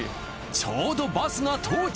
ちょうどバスが到着。